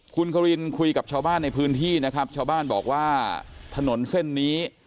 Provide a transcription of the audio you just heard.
คุณครินคุยกับชาวบ้านในพื้นที่นะครับชาวบ้านบอกว่าถนนเส้นนี้